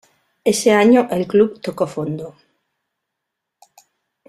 Ese año el club tocó fondo.